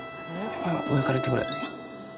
上から行ってくれ。